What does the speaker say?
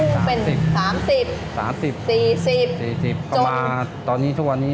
คู่เป็น๓๐๔๐จนประมาณตอนนี้ชั่ววันนี้๖๐๘๐